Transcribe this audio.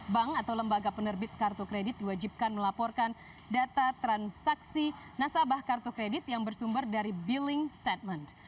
bank atau lembaga penerbit kartu kredit diwajibkan melaporkan data transaksi nasabah kartu kredit yang bersumber dari billing statement